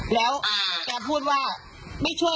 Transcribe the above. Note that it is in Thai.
เฃ่จนพักเชื้อ